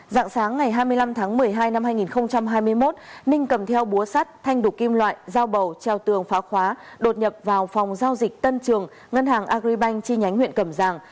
dạng sáng ngày hai mươi năm tháng một mươi hai năm hai nghìn hai mươi một ninh cầm theo búa sắt thanh đủ kim loại dao bầu treo tường phá khóa đột nhập vào phòng giao dịch tân trường ngân hàng agribank chi nhánh huyện cầm giang